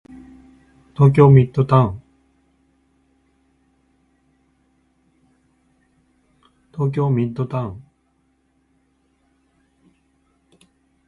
東京ミッドタウン